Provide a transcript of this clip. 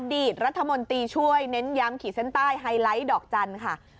ดีตรัฐมนตรีช่วยเน้นย้ำขีดเส้นใต้ไฮไลท์ดอกจันทร์ค่ะ